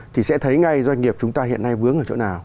thì sẽ thấy ngay doanh nghiệp chúng ta hiện nay vướng ở chỗ nào